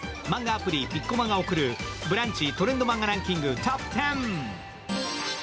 マンガアプリ、「ピッコマ」が送る「ブランチトレンドマンガランキング」。